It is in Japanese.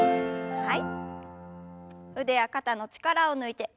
はい。